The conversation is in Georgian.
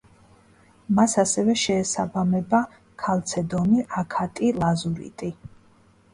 მას ასევე შეესაბამება: ქალცედონი, აქატი, ლაზურიტი.